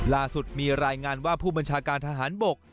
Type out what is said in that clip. ล่าสุดมีรายงานว่าผู้บัญชาการทหารบก